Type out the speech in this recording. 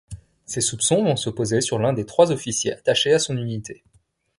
Ses soupçons vont se poser sur l'un des trois officiers attachés à son unité.